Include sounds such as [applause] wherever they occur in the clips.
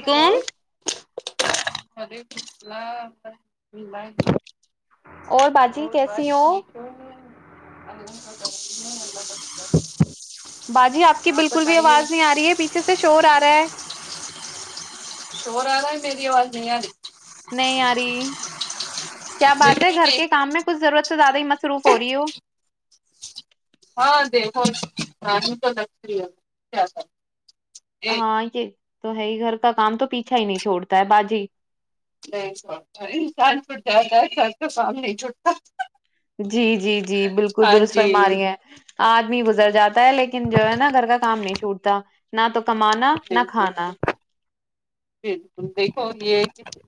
hello وعلیکم السلام و رحمۃ اللہ باجی اور بات کیسی ہو ٹھیک اللہ کا شکر ہے باجی آپ کی بالکل بھی آواز نہیں آ رہی ہے پیچھے سے شور آ رہا ہے شور آرہا ہے میری آواز نہیں آ رہی نہیں اری کیا بات ہے بالکل گھر بھی کے کام میں کچھ ضرورت سے زیادہ ہی مصروف ہو رہی ہو ہاں دیکھو رانی تو لگی ہے کر ایک ہاں یہ تو ہے ہی گھر کا کام تو پیچھا ہی نہیں چھوڑتا ہے باجی نہیں انسان چھٹ جاتا ہے گھر کا کام نہیں چھٹتا جی جی جی بالکل ہاں درست جی فرما رہی ہیں آدمی گزر جاتا ہے لیکن جو ہے نا گھر کا کام نہیں چھوٹتا نہ تو کمانا نہ بالکل کھانا دیکھو اور یہ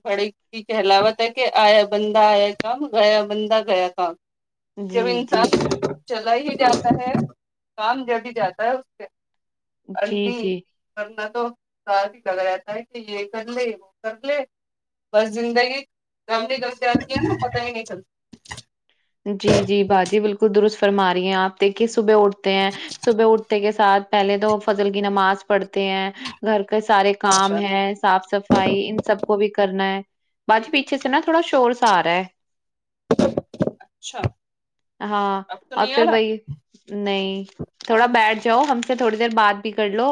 بڑی کی کہلاوت ہے کہ آیا بندہ آیا کام گیا بندہ گیا کام جب جی انسان جی چلا ہی جاتا ہے کام جب ہی جاتا ہے اس سے جی انٹی جی کرنا تو [unintelligible] ہی لگ رہتا ہے کہ یہ کر لے وہ کر لے بس زندگی گم گم سے آتی ہے پتہ ہی نہیں چلتا جی جی باجی بالکل درست فرما رہی ہیں آپ دیکھیے صبح اٹھتے ہیں صبح اٹھتے کے ساتھ پہلے تو فضل کی نماز پڑھتے ہیں گھر کے سارے ماشاء کام ہے اللہ صاف صفائی بھائی ان سب کو بھی کرنا ہے باجی پیچھے سے نا تھوڑا شور سا آ رہا ہے اچھا ہاں اب تو اور نہیں آ پھر رہا وہی نہیں تھوڑا بیٹھ جاؤ ہم سے تھوڑی دیر بات بھی کر لو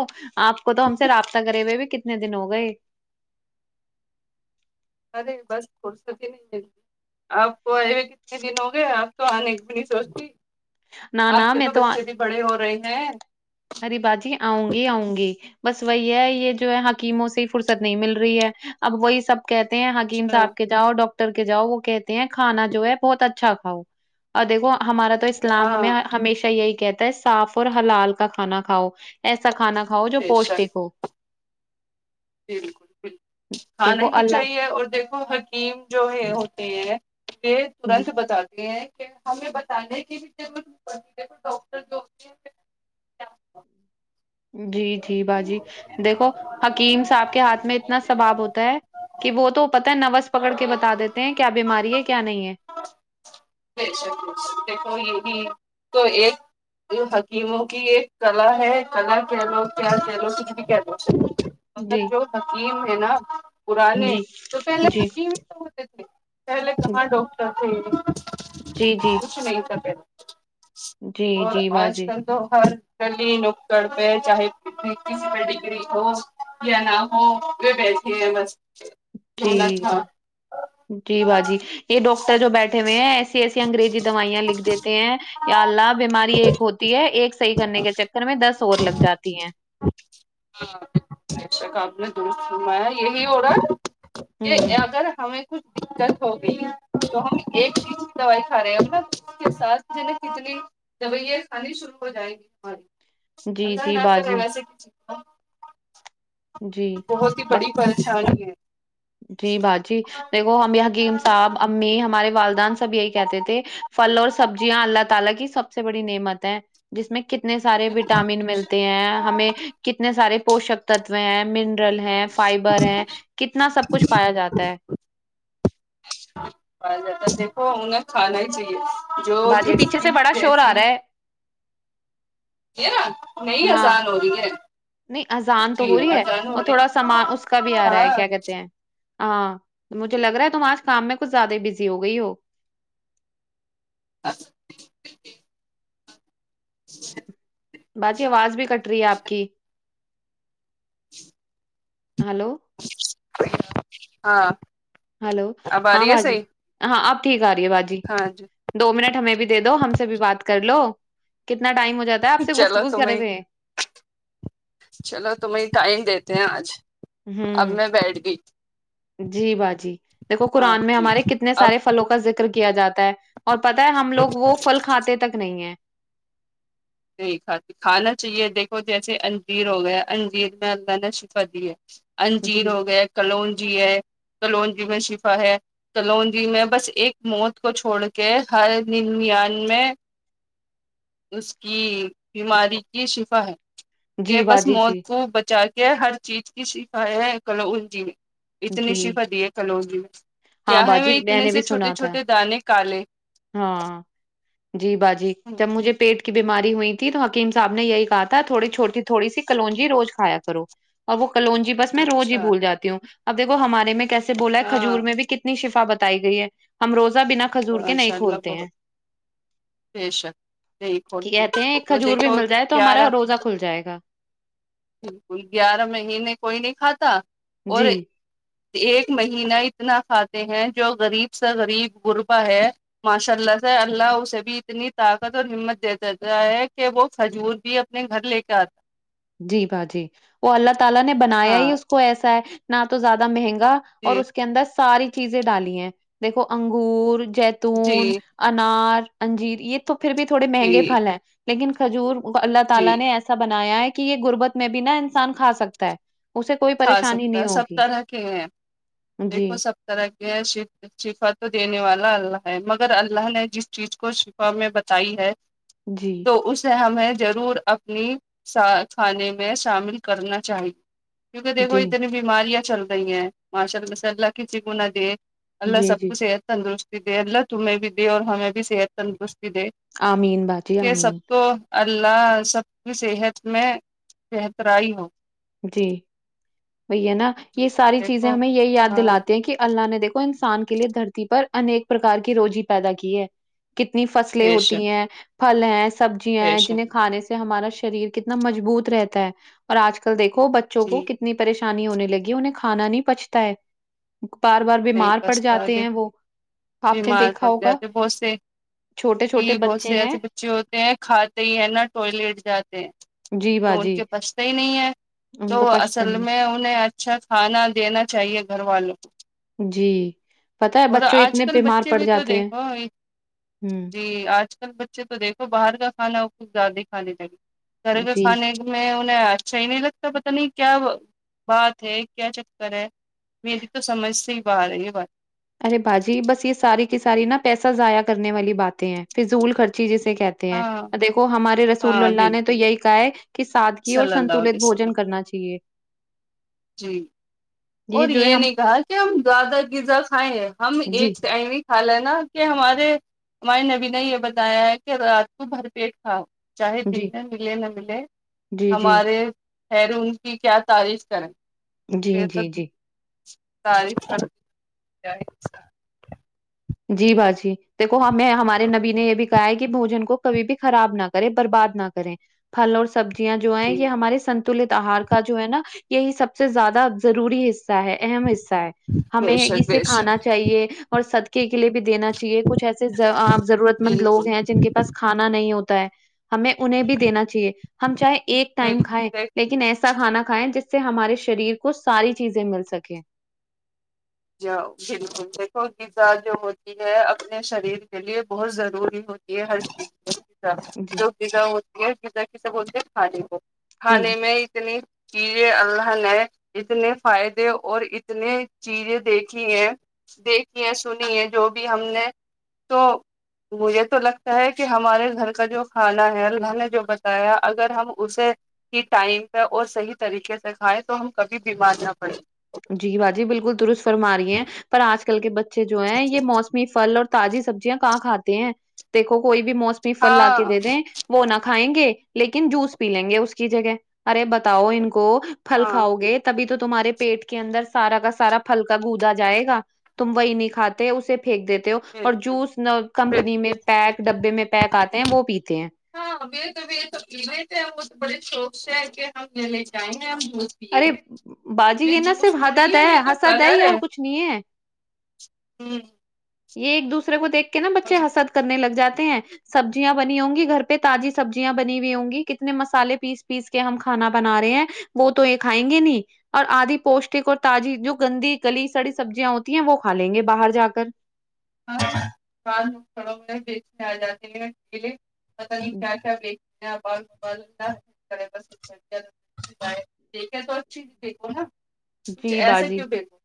آپ کو تو ہم سے رابطہ کرے ہوئے بھی کتنے دن ہو گئے ارے بس فرست ہے نئی ملتی آپ کو آئے ہوئے کتنے دن ہو گئے آپ تو آنے کی بھی نہیں سوچتی نہ آپ نہ کے میں تو بچے بھی بڑے ہو رہے ہیں اری باجی آؤں گی آؤں گی بس وہی ہے یہ جو ہے حکیموں سے فرصت نہیں مل رہی ہے اب وہی سب کہتے ہیں حکیم اچھا صاحب کے جاؤ ڈاکٹر کے جاؤ وہ کہتے ہیں کانا جو ہے بہت اچھا کھاؤ اور دیکو ہمارا تو اسلام ہاں ہمیں ہمیشہ یہی کہتا ہے صاف اور حلال کا کھانا کھاؤ ایسا کھانا کھاؤ جو بے شک پوشٹک ہو بالکل بالکل کھانا ہی دیکھو نہیں اللہ چاہیے اور دیکھو ہر حکیم جو ہے ہوتی ہیں یہ جی ترنت بتاتی ہیں ہمیں بتانے کی بھی ضرورت نہی پڑھتی دیکھو ڈاکٹر جو ہوتے ہے جی جی باجی دیکھو حکیم صاحب کے ہاتھ میں اتنا سبھاب ہوتا ہے کہ وہ تو پت ہے نوس پکڑ کے بتا دیتے ہیں کیا بیماری ہے کیا نہیں ہے بےشک بےشک دیکھو یہ بھی تو ایک حکیموں کی ایک کلا ہے کلا کہہ لو کیا کہہ لو کچھ بھی کہہ لو مگر جی جو حکیم ہے نہ پرانے جی تو پہلے جی حکیم ہی تو ہوتے تھے پہلے کہاں ڈاکٹر تھے جی جی کچھ نہیں تھا پہلے جی اور جی آج باجی کل تو ہر گلی نکڑ پہ چاہے کسی پہ ڈگری ہو یا نہ ہو یہ بیٹھے ہے بس [unintelligible] جی با جی یہ ڈاکٹر جو بیٹھے ہوئے ہیں ایسی ایسی انگریزی دوائیاں لکھ دیتے ہیں یا اللہ بیماری ایک ہوتی ہے ایک صحیح کرنے کے چکر میں دس اور لگ جاتی ہیں بےشک آپ نے دست فرمایا یہی ہو رہا ہے یہ ہوں اگر ہمیں کچھ دقت ہوگئی تو ہم ایک چیز کی دوائی کھا رہے ہیں نا اس کے ساتھ جو ہے نہ کتنی داوایاں کھانی شروع ہو جائے گی ہماری جی الله جی نا کرے باجی ایسے کوچ ہو جی بہت ہی با- بڑی پریشانی ہے جی باجی دیکھو ہمیں حکیم صاحب امی ہمارے والدیںن سب یہی کہتے تھے پھل اور سبزیاں اللہ تعالی کی سب سے بڑی نعمت ہیں جس میں کتنے سارے وٹامن ملتے ہیں ہمیں کتنے سارے پوشک تتو ہیں منرل ہے فائبر ہے کتنا سب کچھ پایا جاتا ہے [inaudible] دیکھو انھے کھانا ہی چاہیے جو باجی جیس پیچھے سے بڑا شور آ جیسی رہا ہے [unintelligible] نہیں ہاں آزان ہو رہی ہے نہیں اذان تو جی ہو رہی ہے آسان ہو اور رہی تھوڑا ہے، سامان اس کا بھی آ رہا ہے ہاں کیا کہتے ہیں ہاں مجھے لگ رہا ہے تم آج کام میں کچھ زیادہ ہی بزی ہو گئی ہو [inaudible] جی باجی آواز بھی کٹ رہی ہے آپ کی ہلو ہاں ہلو اب آ ہاں رہی ہے باجی صحیح ہاں اب ٹھیک آ رہی ہے باجی ہاں جی دو منٹ ہمیں بھی دے دو ہم سے بھی بات کر لو کتنا ٹائم ہو جاتا ہے آپسے چلو گفتگو کرے تمہیں تھے چلو تمہیں ٹائم دیتے ہیں آج اب ہوں میں بیٹھ گئی جی باجی دیکھو ہاں قرآن میں جی ہمارے کتنے اب سارے فھلوں کا ذکر کیا جاتا ہے اور پتا ہے ہم لوگ وہ فھل کھاتے تک نہیں ہے نہیں کھاتی کھانا چاہیے دیکھو جیسے انجیر ہو گیا انجیر میں اللہ نے شفا دی ہے انجیر جی ہو گیے کلون جی ہے کلون جی میں شفا ہے کلونجی میں بس ایک موت کو چھوڑ کے ہر ننیانوے اس یہ ایک بیماری کی شفا ہے یہ جی بس باجی موت جی کو بچاتی یہ ہر چیز کی شفا ہیں کلونجی میں اتنی جی شفا دی ہے کلونجی میں ہاں کیا ہے وہ باجی میں اتنے نے سے بھی چھوٹے سنا تھا چھوٹے دانے کالے ہاں جی باجی جب مجھے پیٹ کی بیماری ہوئی تھی تو حکیم صاحب نے یہی کہا تھا تھوڑی چھوٹی تھوڑی سی کلونجی روز کھایا کرو اور وہ کلونجی بس میں روز ہی اچھا بھول جاتی ہوں اب دیکو ہمارے میں کیسے بولا ہے ہاں کھجور میں بھی کتنے کتنا شفا بتائی گئی ہے ہم روزہ بنا کھجور کے نہیں ماشاء اللہ کھولتے ہیں بہت بے شک نہیں کہ کھولتے کہتے ہیں ایک جو کھجور بھی دیکھو مل جائے تو ہمارا گیارہ روزہ کھل جائے گا بالکل گیارہ مہینے کوئی نہیں کھاتا اور جی ایک مہینہ اتنا کھاتے ہیں جو غریب سے غریب غربا ہے ماشاء اللہ سے اللہ اسے بھی اتنی طاقت اور ہمت دے دیتا ہے کہ وہ کھجور بھی اب اپنے گھر لے کے آتا جی باجی وہ اللہ تعالی نے بنایا ہاں ہی اس کو ایسا ہے نہ تو زیادہ مہنگا اور جی اس کے اندر ساری چیزیں ڈالی ہیں دیکھو انگور جی جیتون انار انجیر یہ تو پھر بھی تھوڑے مہنگے جی پھل ہیں لیکن کھجور اللہ جی تعالی نےوایسے ایسا بنایا ہے کہ یہ غربت میں بھی نا انسان کھا سکتا ہے اسے کوئی کھا پریشانی سکتا نہیں ہے سب ہوگی طرح کے ہیں جی دیکھو سب طرح کے ہیں شف شفا تو دینے والا اللہ ہے مگر اللہ نے جس چیز کو شفا میں بتائی ہے جی تو اسے ہمیں ضرور اپنی سا کھانے میں شامل کرنا چاہیے کیونکہ دیکھو جی اتنی بیماریاں چل رہی ہیں ماشاء اللہ سے اللہ کسی کو نہ دیں اللہ جی سب جی کو صحت تندرست دے اللہ تمیں بھی دے اور ہمیں بھی صحت تندرستی دے آمین باجی کہ سب آمین کو اللہ سب کی صحت میں بہترائی ہو جی وہی ہے نا یہ ساری چیزیں دیکھو ہمیں یہی یاد ہاں دلاتے ہیں کہ اللہ نے دیکھو کو انسان کے لیے دھرتی پر انیک پرکار کی روزی پیدا کی ہے کتنی فصلیں پیش ہوتی ہیں پھل ہیں سبزیاں ہیں پیش جنہیں کھانے سے ہمارا شریر کتنا مجبوط رہتا ہے اور آج کل دیکھو بچوں کو جی کتنا اتنی پریشانی ہونے لگی ہے انہیں کھا نہیں پچتا ہے بار بار صحیح بیمار پڑ پستا جاتے کہ ہیں وہ آپ نے بیمار دیکھا پڑھ ہوگا جاتے ہے بہت سے چھوٹے چھوٹے کہ بچے بہت ہیں ایسے بچے ہوتے ہیں کھاتے ہی ہیں نا ٹوائلیٹ جاتے ہیں جی تو ان باجی کے پچھتے ہی نہیں ہے ان کو تو پچھتا اصل نہیں میں انہیں اچھا کھانا دینا چاہیے گھر والوں کو جی پتا ہے اور بچوں آج اتنے کل بیمار بچے پڑ بھی تو جاتے ہیں دیکھو ہوں جی آج کل بچے تو دیکھو باہر کا کھانا کچھ زیادہ ہی کھانے لگے گھر کے جی کھانے میں انہیں اچھا ہی نہیں لگتا پتا نہیں کیا بات ہے کیا چکر ہے میری تو سمجھ سے ہی باہر ہے یہ بات ارے باجی بس یہ ساری کی ساری نا پیسہ ضائع کرنے والی باتیں ہیں فضول خرچی جسے کہ تے ہیں ہاں دیکھو ہمارے رسول ہاں اللہ نے بالکل تو یہی کہا ہے کہ سادگی اور صلی اللہ سنتولت علیہ وسلم بوجن کرنا چاہیے جی اور جو ہے یہ ہم نہیں کہا کہ ہم زیادہ غذا کھائیں ہم جی ایک ٹائم حال ہے نا کہ ہمارے ہمارے نبی نے یہ بتایا ہے کہ رات کو بھر پیٹ کھاؤ چاہے جی دن میں ملے نہ ملے جی جی ہمارے خیر ان کی کیا تعریف کریں جی یہ تو جی جی ساری [inaudible] جی باجی دیکھو ہمیں ہمارے نبی نے یہ بھی گائے کے بوجن کو کبھی بھی خراب نہ کرے برباد نہ کریں پھل اور سبزیاں جو ہے جی یہ ہمارے سنتولت آہار کا جو ہے نا یہی سب سے زیادہ ضروری حص اہم حصہ ہے بے ہمیں شک اسے بے کھانا شک چاہیے اور صد قہ کے لیے بھی دینا چاہیے کچھ ایسے ضرورت مند لوگ بالکل ہیں جن کے پاس کھانا نہیں ہوتا ہے ہمیں انہیں بھی دینا چاہیے ہم چاہے ایک ٹائم کھایں بالکل لیکن ایسا کھانا کھائیں جس سے ہمارے شریر کو ساری چیزیں مل سکے ج بالکل دیکھو غذا جو ہوتی ہے اپنے شریر کے لیے بہت ضروری ہو یہ ہر چیزا جی جو غذا ہوتی ہے غذا کیسے بولتے ہیں کھانے کو جی کھانے میں اتنی چیزیں اللہ نے اتنے فائدے اور اتنے چیزیں دیکھی ہے دیکھی ہے سنی ہے جو بھی ہم نے تو مجھے تو لگتا ہے کہ ہمارے گھر کا جو کھانا ہے اللہ نے جو بتایا اگر ہم اسے کہ ٹائم پہ اور صحیح طریقے سے کھائیں تو ہم کبھی بیمار نہ پڑے جی باجی بالکل درست فرما رہی ہے پر آج کل کے بچے جو ہیں یہ موسمی پھل اور تازی سبزیاں کہاں کاتے ہیں دیکھو کوئی بھی موسمی فل لا کے ہاں دے دیں وہ نہ کھائیں گے لیکن جوس پی لیں گے اس کی جگہ ارے بتاؤ ان کو پھل ہاں کھاؤ گے تبھی تو تمہارے پیٹ کے اندر سارا کا سارا پھلکا گدا جائے گا تم وہی نہیں کھاتے اسے پھینک دیتے ہو اور بالکل جوس نہ کمپنی میں پیک ڈبے میں پیک آتے ہیں وہ پیتے ہیں ہاں [unintelligible] تو تھ وہ بڑے شوق سے ہے کہ ہم لے لے جائیں گے ہم ب ارے پیےگے باجی وہ یہ نا جوس صرف تھوڑی حدد ہے وہ تو حسد کلر یہ اور ہے کچھ نہیں ہے ہوں یہ ایک دوسرے کو دیکھ کے نا بچے حسد کرنے لگ جاتے ہیں سبزیاں بنی ہوں گی گھر پہ تازی سبزیاں بنی ہوئی ہوں گی کتنے مسالے پیس پیس کہ ہم کھانا بنا رہے ہیں وہ تو یہ کھائیں گے نہیں اور آدھی پوشٹک اور تازی جو گندی گلی سڑی سبزیاں ہوتی ہیں وہ کھا لیں گے باہر جا کر ہاںڑ بیچنے آ جاتے ہیں الے پت نہیں کیا کیا بیچ [inaudible] [unintelligible] دیکھے تو اچھی چیز دیکھو نا کچھ جی ایسے باجی کیوں دیکھو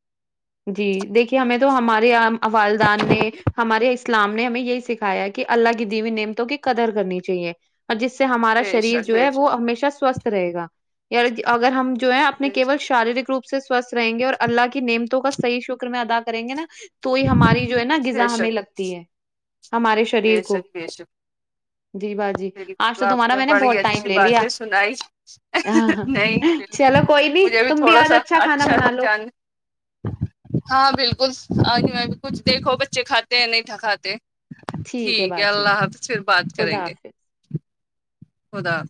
جی دیکھیے ہمیں تو ہمارے والدان نے ہمارے اسلام نے ہمیں یہی سکھایا کہ اللہ کی دی ہوئی نعمتوں کی قدر کرنی چاہیے اور جس سے ہمارا بے شریر شک جو ہے بے وہ شک ہمیشہ سوستھ رہے گا یا اگر ہم جو ہے اپنے بے شک کیول شارییرک روپ سے سوستھ رہیں گے اور اللہ کی نعمتوں کا صحیح شکر میں ادا کریں گے نا تو ہی ہماری جو ہے نا بے غذا ہمیں شک لگتی ہے ہمارے شریر بے کو شک بے شک جی باجی آج تو آپ تمہارا نے میں بڑی بہت ٹائم اچھی لے لیا باتیں سنائی نہیں چلو کوئی نہیں مجھے بھی تم تھوڑا آج سا کھانا اچھا بنا تھا لو جان ہاں بالکل آج میں بھی کچھ دیکھو بچے کھاتے ہیں یا نہیں کھاتے ہیں ٹھیک ہے اللہ حافظ پھر بات کریں خدا گے حافظ خدا